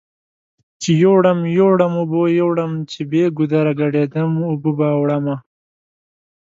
چې يوړم يوړم اوبو يوړم چې بې ګودره ګډ يدم اوبو به وړمه